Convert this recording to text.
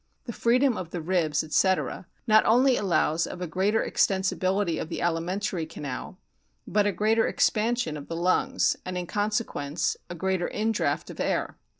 The freedom of the ribs, etc., not only allows of a greater extensibility of the alimentary canal, but a greater expansion of the lungs, and, in consequence, a greater indraught of air.